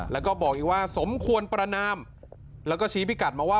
แล้วก็บอกอีกว่าสมควรประนามแล้วก็ชี้พิกัดมาว่า